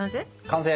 完成！